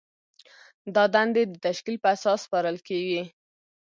دا دندې د تشکیل په اساس سپارل کیږي.